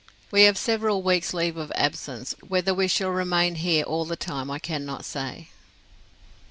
"We have several weeks' leave of absence. Whether we shall remain here all the time I cannot say."